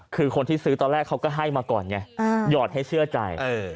คือคนที่ซื้อตอนแรกเขาก็ให้มาก่อนไงหยอดให้เชื่อใจ